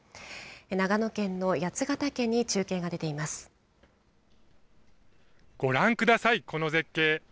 長野県の八ヶ岳に中継が出ていまご覧ください、この絶景。